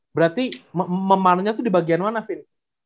berarti memanenya tuh di bagian mana vin